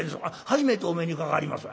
初めてお目にかかります。